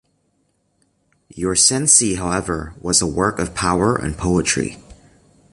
Your "Cenci", however, was a work of power and poetry.